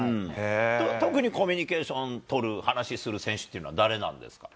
特にコミュニケーション取る、話する選手っていうのは、誰なんですか？